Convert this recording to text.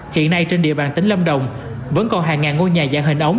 hiện nay trên địa bàn tỉnh lâm đồng vẫn còn hàng ngàn ngôi nhà dạng hình ống